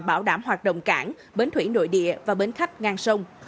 bảo đảm hoạt động cảng bến thủy nội địa và bến khách ngang sông